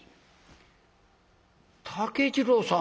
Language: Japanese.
「竹次郎さん」。